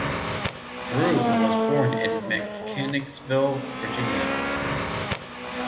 Grubb was born in Mechanicsville, Virginia.